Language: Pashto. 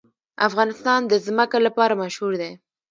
افغانستان د ځمکه لپاره مشهور دی.